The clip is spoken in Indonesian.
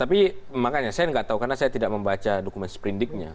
tapi makanya saya nggak tahu karena saya tidak membaca dokumen sprindiknya